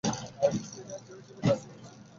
তিনি আইনজীবী হিসেবে কাজ করেছেন।